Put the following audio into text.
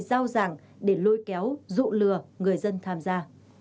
giao giảng để lôi kéo dụ lừa người dân tham gia